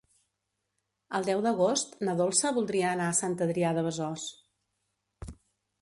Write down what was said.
El deu d'agost na Dolça voldria anar a Sant Adrià de Besòs.